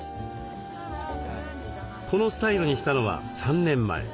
このスタイルにしたのは３年前。